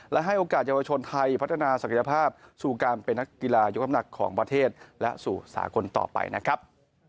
และให้โอกาสเยาวชนไทยพัฒนาศักยภาพสู่การเป็นนักกีฬายกน้ำหนักของประเทศและสู่สากลต่อไปนะครับ